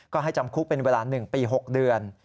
ก็ให้จำคุกเป็นเวลา๑ปี๖เดือน